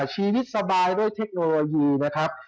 ชีวิตสบายด้วยเทคโนโลยีนะครับ